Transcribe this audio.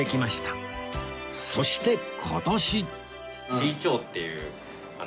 そして今年